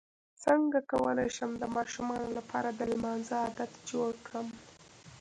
څنګه کولی شم د ماشومانو لپاره د لمانځه عادت جوړ کړم